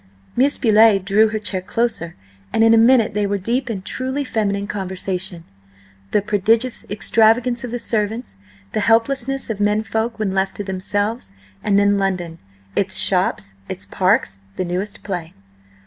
Miss Betty drew her chair closer, and in a minute they were deep in truly feminine conversation: the prodigious extravagance of the servants; the helplessness of men folk when left to themselves, and then London, its shops, its parks, the newest play.